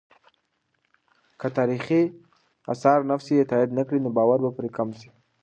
که تاریخي آثار نقش یې تایید نه کړي، نو باور به پرې کم سي.